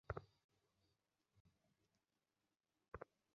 নিন, আঙ্কেল।